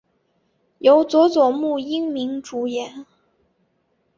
由佐佐木英明主演。